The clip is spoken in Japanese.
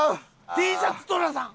Ｔシャツ寅さん。